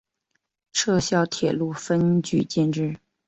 撤销铁路分局建制。